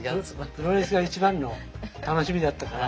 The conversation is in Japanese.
プロレスが一番の楽しみだったから。